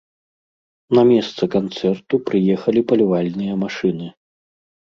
На месца канцэрту прыехалі палівальныя машыны.